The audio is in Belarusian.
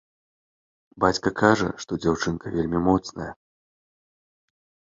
Бацька кажа, што дзяўчынка вельмі моцная.